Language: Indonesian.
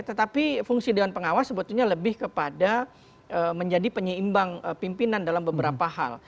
tetapi fungsi dewan pengawas sebetulnya lebih kepada menjadi penyeimbang pimpinan dalam beberapa hal